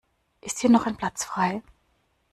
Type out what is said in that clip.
Ist hier noch ein Platz frei?